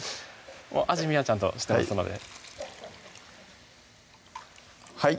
味見はちゃんとしてますのではい